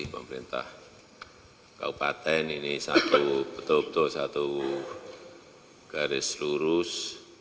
pemerintah kabupaten ini betul betul satu garis lurus